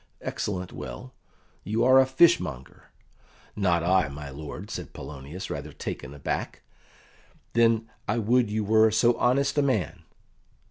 "Excellent well; you are a fishmonger." "Not I, my lord," said Polonius, rather taken aback. "Then I would you were so honest a man."